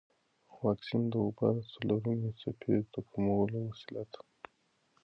واکسن د وبا د څلورمې څپې د کمولو وسیله ده.